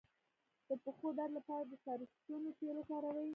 د پښو درد لپاره د سرسونو تېل وکاروئ